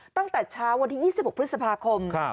ตั้งแต่เช้าวันที่๒๖พฤษภาคม